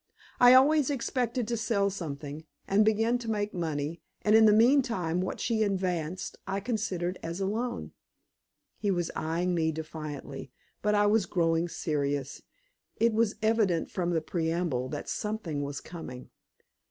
I always expected to sell something, and begin to make money, and in the meantime what she advanced I considered as a loan." He was eyeing me defiantly, but I was growing serious. It was evident from the preamble that something was coming.